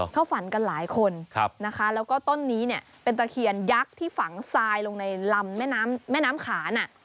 เขาฝันกันหลายคนนะคะแล้วก็ต้นนี้เนี่ยเป็นตะเคียนยักษ์ที่ฝังทรายลงในลำแม่น้ำขาน